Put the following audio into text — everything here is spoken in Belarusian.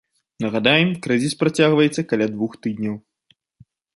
Нагадаем, крызіс працягваецца каля двух тыдняў.